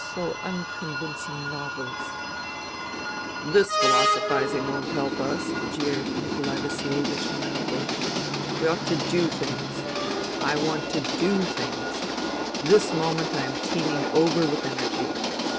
so uncon vincing novels ?"" This philosophizing won't help us," jeered Nikolai Vasilievich mildly. " We ought to do things. I want to do things. This moment I am teeming over with energy.